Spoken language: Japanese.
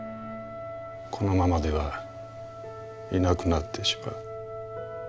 このままではいなくなってしまう」。